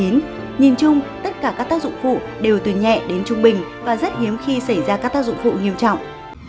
nhìn chung tất cả các tác dụng phụ đều từ nhẹ đến trung bình và rất hiếm khi xảy ra các tác dụng phụ nghiêm trọng